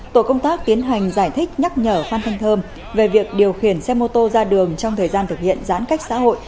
tổ công tác tiến hành giải thích nhắc nhở phan thanh thơm về việc điều khiển xe mô tô ra đường trong thời gian thực hiện giãn cách xã hội